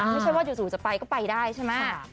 ไม่ใช่ว่าอยู่สู่จะไปก็ไปได้ใช่มั้ย